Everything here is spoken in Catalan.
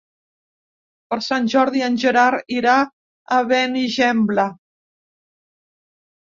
Per Sant Jordi en Gerard irà a Benigembla.